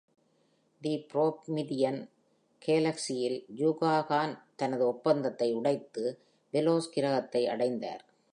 தி Promethean கேலக்ஸியில் Yuga Khan தனது ஒப்பந்தத்தை உடைத்து, வெலோஸ் கிரகத்தை அடைந்தார்.